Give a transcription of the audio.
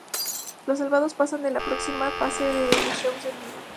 Los salvados pasan a la proxima fase de Los Shows en Vivo.